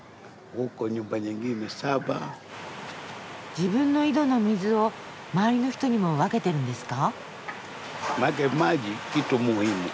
自分の井戸の水を周りの人にも分けてるんですか？